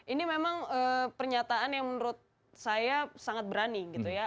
ini memang pernyataan yang menurut saya sangat berani gitu ya